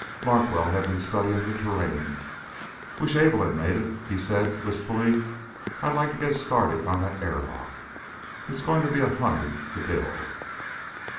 Larkwell had been studying the terrain. "Wish Able had made it," he said wistfully. "I'd like to get started on that airlock. It's going to be a honey to build."